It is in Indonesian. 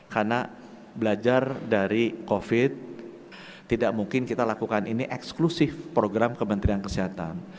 karena belajar dari covid tidak mungkin kita lakukan ini eksklusif program kementerian kesehatan